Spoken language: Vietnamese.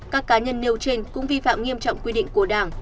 các cá nhân nêu trên cũng vi phạm nghiêm trọng quy định của đảng